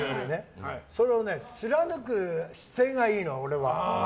それを貫く姿勢がいいの、俺は。